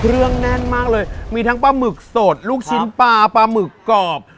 แน่นมากเลยมีทั้งปลาหมึกสดลูกชิ้นปลาปลาหมึกกรอบ